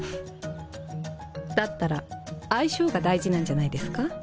だったら相性が大事なんじゃないですか？